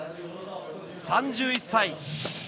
３１歳。